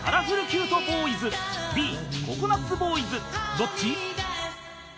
［どっち？］